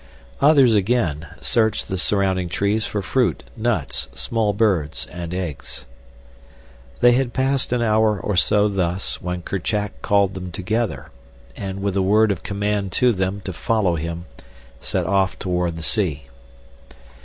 Others, again, searched the surrounding trees for fruit, nuts, small birds, and eggs. They had passed an hour or so thus when Kerchak called them together, and, with a word of command to them to follow him, set off toward the sea.